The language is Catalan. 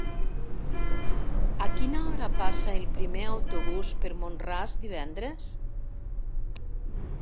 A quina hora passa el primer autobús per Mont-ras divendres?